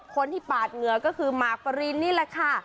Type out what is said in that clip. คนที่ปาดเหงื่อก็คือหมากปรินนี่แหละค่ะ